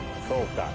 「そうか。